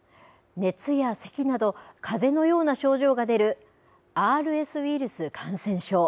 熱やせきなど、かぜのような症状が出るＲＳウイルス感染症。